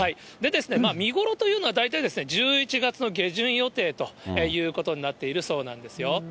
見頃というのが大体、１１月の下旬予定ということになっているそうなんですよ。